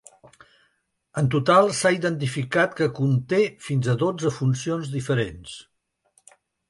En total s’ha identificat que conté fins a dotze funcions diferents.